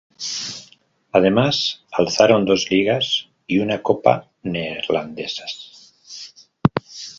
Además alzaron dos ligas y una copa neerlandesas.